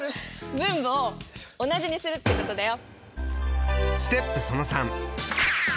分母を同じにするってことだよ。